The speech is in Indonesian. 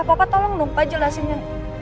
papa tolong lupa jelasinnya